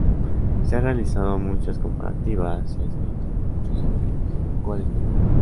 Se han realizado muchas comparativas, se ha escrito mucho sobre cual es mejor.